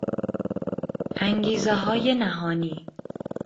انگیزههای نهانی